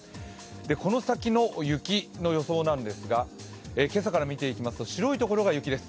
この先の雪の予想なんですが今朝から見ていきますと白いところが雪です。